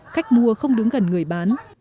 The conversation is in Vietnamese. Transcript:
khách mua không đứng gần người bán